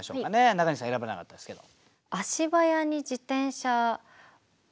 中西さん選ばれなかったですけど。